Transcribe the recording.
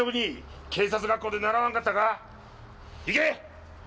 行け！